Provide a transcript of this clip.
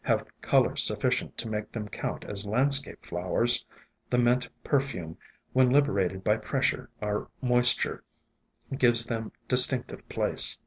have color sufficient to make 74 ESCAPED FROM GARDENS them count as landscape flowers, the mint per fume, when liberated by pressure or moisture, gives them distinctive place.